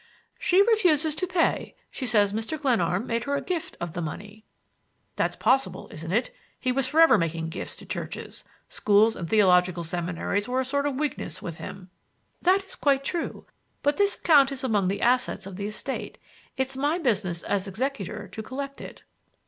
"She refuses to pay. She says Mr. Glenarm made her a gift of the money." "That's possible, isn't it? He was for ever making gifts to churches. Schools and theological seminaries were a sort of weakness with him." "That is quite true, but this account is among the assets of the estate. It's my business as executor to collect it."